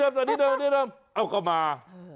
เอากลับมาที่เดิมเอากลับมา